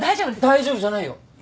大丈夫じゃないよ。